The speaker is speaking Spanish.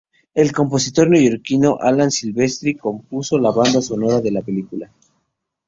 El compositor neoyorquino Alan Silvestri compuso la banda sonora de la película.